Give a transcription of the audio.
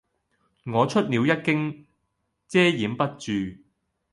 我出了一驚，遮掩不住；